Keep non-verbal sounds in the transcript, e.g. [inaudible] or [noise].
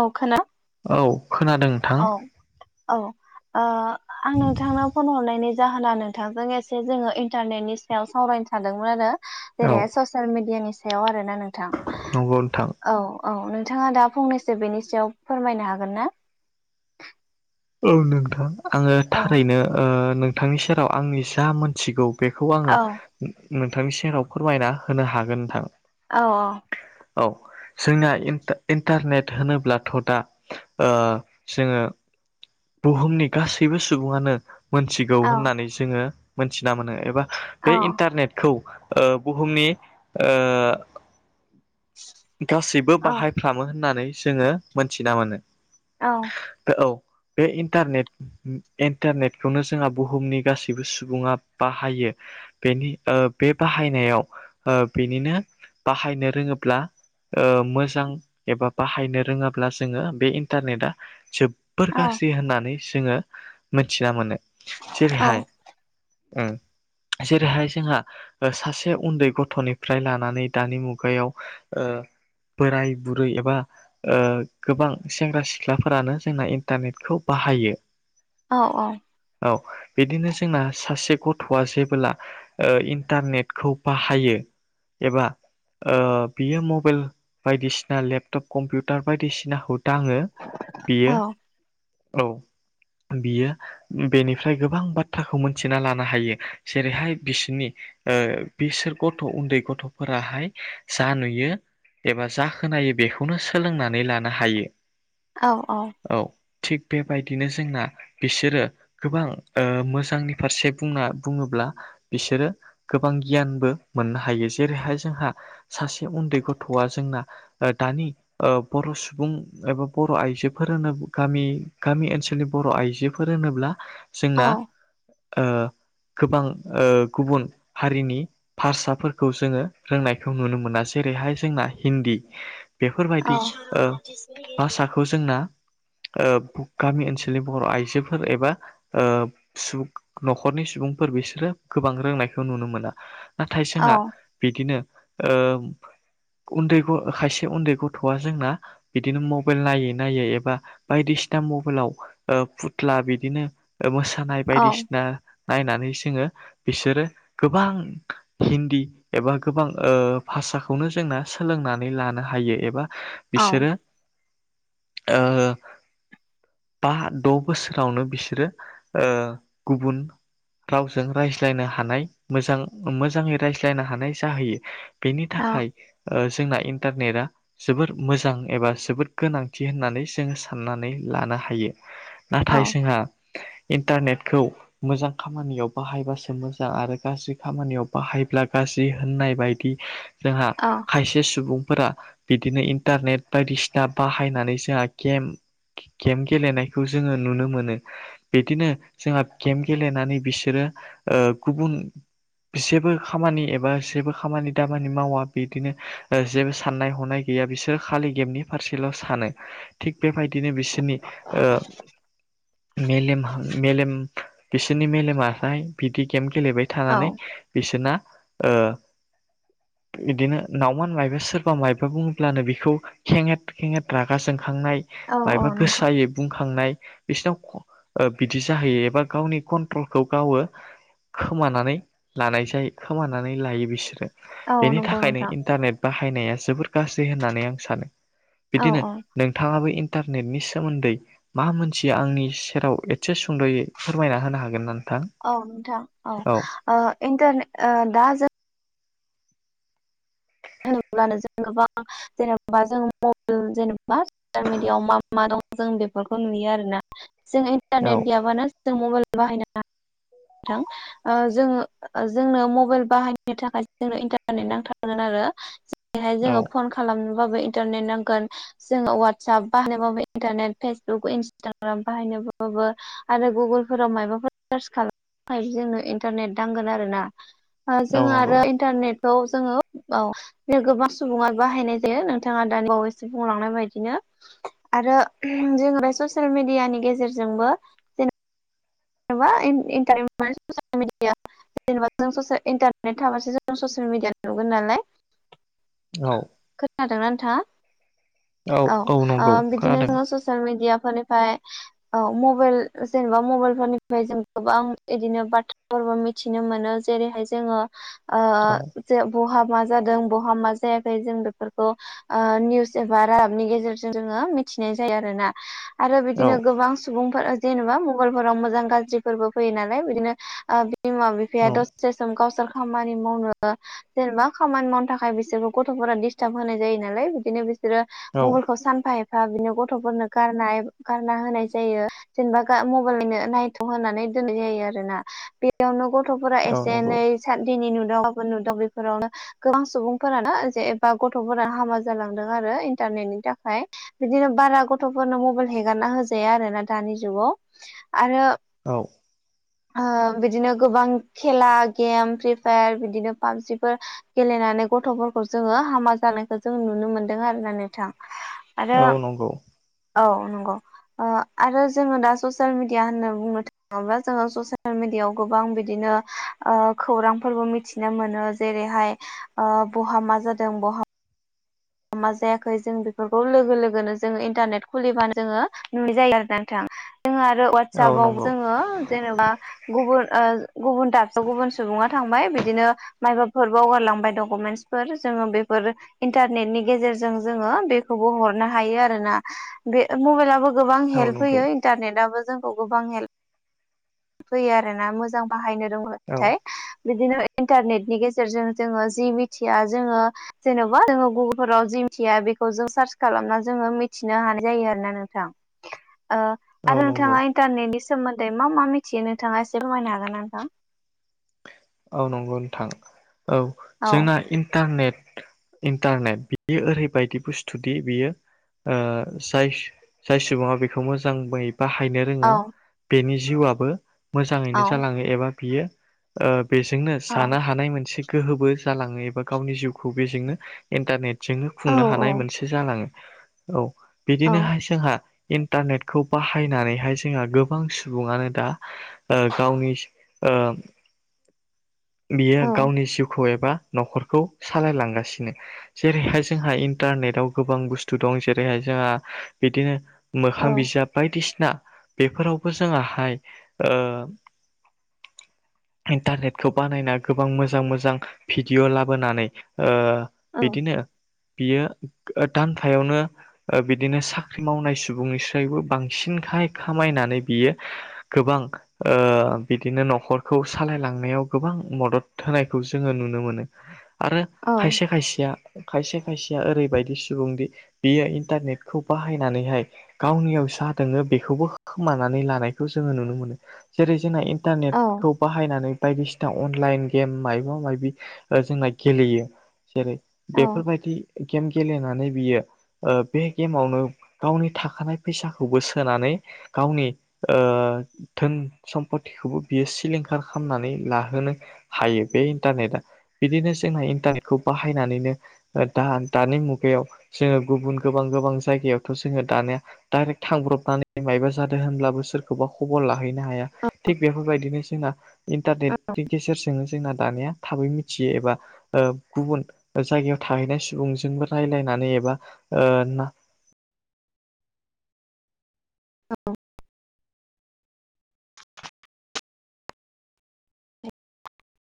औ खोना औ खोनादों नोंथां औ औ ओ आं नोंथांनाव फन हरनायनि जाहोना नोंथांजों एसे जोङो इन्टारनेटनि सायाव सावरायनो सानदोंमोन आरो औ जेरै ससियेल मिडियानि सायाव आरोना नोंथां, नंगौ नोंथां औ । औ नोंथाङा दा फंनैसो बेनि सायाव फोरमायनो हागोन ना? औ नोंथां आङो औ थारैनो ओ नोंथांनि सेराव आंनि जा मोनथिगौ बेखौ आङो औ नोंथांनि सेराव फोरमायना होनो हागोन नोंथां । औ औ । औ जोंना इन्टा-इन्टारनेट होनोब्लाथ' दा ओ जोङो बुहुमनि गासैबो सुबुङानो मोनथिगौ औ होननानै जोङो मोनथिना मोनो एबा औ बे इन्टारनेटखौ ओ बुहुमनि ओ गासैबो औ बाहायफ्रामो होननानै जोङो मोनथिना मोनो । औ । औ बे इन्टारनेट इन्टारनेटखौनो जोंहा बुहुमनि गासैबो सुबुङा बाहायो । बेनि ओ बे बाहायनायाव ओ बेनिनो बाहायनो रोङोब्ला ओ मोजां एबा बाहायनो रोङाब्ला जोङो बे इन्टारनेटा जो- बोर औ गाज्रि होननानै जोङो मोन्थिना मोनो जेरैहाय ओम । जेरैहाय जोंहा ओ सासे उन्दै गथ'निफ्राय लानानै दानि मुगायाव ओ बोराय बुरै एबा ओ गोबां सेंग्रा सिख्लाफोरानो जोंना इन्टारनेटखौ बा- हायो । औ औ । औ, बिदिनो जोंना सासे गथ'आ जेबोला ओ इन्टारनेटखौ बाहायो एबा ओ बियो मबाइल बायदिसिना लेपटप कम्पिउटार बायदि- सिनाखौ दाङो बेयो औ औ । बियो बेनिफ्राय गोबां बाथ्राखौ मोनथिना लानो हायो जेरैहाय बिसोरनि बिसोर गथ' उन्दै गथ'फोराहाय जा नुयो एबा जा खोनायो बेखौनो सोलोंनानै लानो हायो औ औ बेबायदिनो जोंना बिसोरो गोबां ओ मोजांनि फारसे बुंना बुङोब्ला बिसोरो गोबां गियानबो मोननो हायो जेरैहाय जोंहा सासे उन्दै गथ'आ जोंना दानि बर' सुबुं एबा बर' आइजोफोर गामि ओनसोलनि बर' आइजोफोर होनोब्ला औ जोंना ओ गोबां ओ गुबुन हारिनि भाषाफोरखौ जोङो रोंनायखौ नुनो मोना जेरैहाय जोंना हिन्दी बेफोरबायदि ओ भाषाखौ जोंना ओ गामि ओनसोलनि बर' आइजोफोर एबाओ न'खरनि सुबुं फोर बिसोरो गोबां रोंनायखौ नुनो मोना नाथाय जोंहा बिदिनो ओ उन्दै खायसे उन्दै गथ'आ जोंना बिदिनो मबाइल नायै नायै एबा बायदिसिना बायदिसिना मबाइलाव फुथ्ला बिदिनो मोसानाय बायदिसिना नायनानै जोङो बिसोरो गोबां हिन्दी एबा गोबां ओ भाषाखौनो जोंना सोलोंनानै लानो हायो एबा बिसोरो ओ बा द' बोसोरावनो बिसोरो ओ गुबुन रावजों रायज्लायनो हानाय मोजां मोजाङै रायज्लायनो हानाय जाहैयो बेनि थाखाय ओ जोंना इन्टारनेटा जोबोर मोजां एबा जोबोर गोनांथि होननानै जोङो साननानै लानो हायो नाथाय जोंहा इन्टारनेटखौ मोजां खामानियाव बाहायबासो मोजां आरो गाज्रि खामानियाव बाहायब्ला गा होननाय बायदि जोंहा खायसे सुबुं फोरा बिदिनो इन्टारनेट बायदिसिना बाहायनानै जोंहा गेम गेम गेलेनायखौ जोङो नुनो मोनो बिदिनो जोंहा गेम गेलेनानै बिसोरो गुबुन मोनसेबो खामानि एबा जेबो खामानि दामानि मावा बिदिनो जेबो साननाय हनाय गैया बिसोरो खालि गेमनि फारसेल' सानो थिग बेबायदिनो बिसोरनि ओ मेलेम मेलेम बिसोरनि मेलेमहा हाय बिदि गेम गेलेबाय औ थानानै बिसोरना ओ बिदिनो नावमान माइबा सोरबा माइबा बुङोब्लानो बेखौ खेंङेट खेंङेट रागा जों खांनाय औ मायबा नंगौ गोसायै बुंखांनाय बिसिनाव बिदि जाहैयो एबा गावनि कन्ट्रलखौ गावो खोमानानै लानाय जायो खोमानानै लायो बिसोरो औ बेनि नंगौ थाखायनो नोंथां इन्टारनेट बा बाहायनाया जोबोर गाज्रि होनानै आं सानो औ बिदिनो औ नोंथाङा बो इन्टारनेटनि सोमोन्दै मा मोनथियो आंनि सेराव एसे सुंद'यै फोरमायना होनो हागोन नों औ नोंथां औ ओ इन्टारने दा जों होनोब्लानो जों गोबां जेनेबा जों मबेल जेनेबा ससियेल मिडियाआव मा मा दं जों बेफोरखौ नुयो आरोना जों औ इन्टारनेट गैयाबानो जों मबाइल बाहायनो नोंथां जों जोंनो मबाइल बाहायनो थाखाय जोंनो इन्टारनेट नांथारगोन आरो जेरै हाय औ जोङो फन खालामनो बाबो इन्तारनेट नांगोन जों वाटसाब बाहायनोबाबो इन्तारनेट फेसबुक इन्स्थाग्राम बाहायनोबाबो आरो गुबुनफोराव मायबाफोर सार्च खालामनो ओमफ्राय जोंनो इन्टारनेट नांगोन आरो ना औ जोङो नंगौ आरो इन्टारनेटखौ जोङो औ गोबां सुबुङा बाहायनाय जायो नोंथाङा दानि बावैसो बुंलांनाय बायदिनो आरो जोंङो बे ससियेल मिडियानि गेजेरजोंबो जेन [unintelligible] जेनेबा जों स इन्टारनेट थाबासो जों ससियेल मिडिया नुगोन नालाय औ खोनादोंना नोंथाङा औ ओ बिदिनो जोंङो ससियेल मिडिया फोरनिफ्राय औ मबेल जेनबा मबेल फोरनिफ्राय जों गोबां इदिनो बाथ्रा फोरबो मिथिनो मोनो जेरैहाय जोंङो ओ औ जे बहा मा जादों बहा मा जायाखै जों बेफोरखौ ओ निउस एबा रादाबनि गेजेरजों जोंङो मि मिथिनाय जायो आरोना आरो औ बिदिनो गोबां सुबुंफोर जेनेबा मबेल फोराव मोजां गाज्रिफोरबो फैयो नालाय बिदिनो ओ बिमा बिफाया औ दसे सम गावसोर खामानि मावनो जेनेबा खामानि मावनो थाखाय बिसोरखौ गथफोरा डिस्टार्ब होनाय जायो नालाय बिदिनो बिसोरो औ मबेलखौ सानफा ए एफा बिदिनो गथफोरनो गारनाय गारना होनाय जायो जेनेबा गा म नो नायथ होननानै दोननाय जायो आरोना बेयावनो ग गथफोरा औ एसे नंगौ नै साद दिननि नु नुदाव गाबोन नुदाव बेफोरावनो गोबां सुबुंफोरानो जेबा गथफोरानो हामा जालांदों आरो इन्टार नि थाखाय बिदिनो बारा गथफोरनो मबाइल हेगारना होजाया आरो ना दानि जुगाव आरो औ ओ बिदिनो गोबां खेला गेम फ्रि फायार बिदिनो पाबजिफोर गेलेनाय फैनानै गथफोरखौ जोंङो हामा जानायखौ जों नुनो मोनदों आरोना नोंथां आरो औ नंगौ औ नंगौ आरो ओ जोंङो दा ससियेल मिडिया होननानै बुंनो थाङोब्ला जोंङो ससियेल मिडियाव गोबां बिदिनो ओ खौरां फोरबो मिथिनो मोनो जेरैहाय ओ बहा मा जादों बहा मा जायाखै जों बेफोरखौ लोगो लोगोनो जोंङो इन्टारनेट खुलिबानो जोंङो नुनाय जायो आरो नोंथां जोंङो आरो औ वाट्सपाव नंगौ जोंङो जेनेबा गुबुन ओ गुबुन दाबसेयाव गुबुन सुबुङा थांबाय बिदिनो माइबाफोर बावगारलांबाय डकुमेन्टसफोर जोंङो बे फोर इन्टारनेट नि गेजेरजों जोंङो बेखौबो हरनो हायो आरोना गोबां औ हेल्प नंगौ होयो इन्टारनेटआबो जोंखौ गोबां हेल्प फैयो आरोना मोजां बाहायनो औ रोंबाथाय बिदिनो इन्टारनेटनि गेजेरजों जोंङो जि मिथिया जोंङो जेनबा जोंङो गुगुलफोराव जि मिथिया बे जों सार्च खालामना जोंङो मिथिनो हानाय जायो आरोना नोंथां ओ औ आरो नंगौ नोंथाङा इन्टारनेटनि सोमोन्दै मा मा मि मिथियो नोंथाङा एसे फोरमायनो हागोन नोंथां औ नंगौ नोंथां औ औ जोंना इन्टारनेट इन्टारनेट बियो ओरैबायदि बुस्थुदि बियो ओ जाय जाय सुबुङा बेखौ मोजां बै बाहायनो औ रोङो बेनि जिउआआबो औ मोजाङैनो जालाङो एबा बियो ओ बेजोंनो औ जानो हानाय मोनसे गोहोबो जालाङो एबा गावनि जिउखौ बेजोंनो इन्टारनेट जोंनो औ खुंनो हानाय मोनसे जालाङो औ औ बिदिनोहाय जोंहा इन्टारनेटखौ बाहायनानैहाय जोंहा गोबां सुबुङानो दा गावनि ओ बियो औ गावनि जिउखौ एबा नखरखौ सालायलांगासिनो जेरैहाय जोंहा इन्टारनेटाव गोबां बुस्थु दं जेरैहाय जोंहा बिदिनो औ मोखां बिजाब बायदिसिना ना बेफोरावबो जोंङोहाय ओ इन्टारनेट खौ बानायना गोबां मोजां मोजां भिडिअ' लाबोनानै ओ औ औ बिदिनो बियो दानफायावनो बिदिनो साख्रि मावनाय सुबुंनिस्रायबो बांसिन खा खामायनानै बियो गोबां बिदिनो न'खरखौ सालायलांनायाव गोबां मदद होनायखौ जोङो नुनो मोनो आरो खायसे खायसेया खायसे खायसेया ओरैबायदि सुबुंदि बियो इन्टारनेटखौ बाहायनानैहाय गावनियाव जा दङो बेखौबो खानानै लानायखौ जोङो नुनो मोनो जेरै जोंना औ इन्टारनेटखौ बाहायनानै बायदिसिना दा अनलाइन गेम मायबा मायबि जोंना गेलेयो जेरै औ औ बेफोरबायदि गेम गेलेनानै बियो बे गेमावनो गावनि थाखानाय फैसाखौबो सोनानै गावनि धोन सम्पथिखौबो बियो सिलिंखार खालामनानै ला होनो हायो बे इन्टारनेटआ बिदिनो जोंना इन्टारनेटखौ बाहायनानैनो दा दानि मुगायाव जोङो गुबुन गोबां गोबां जायगायावथ' जोङो दानिया डाइरेक्ट थांब्रबनानै मा गायबा जादों होनब्लाबो सोरखौबा खबर लाहैनो हाया थिग बेफोरबायदिनो जोंना इन्टारनेट गेजेरजोंनो जोंना दानिया थाबै मिथियो एबा गुबुन जायगायाव थाहैनाय सुबुं जोंबो रायलायनानै एबा औ [inaudible]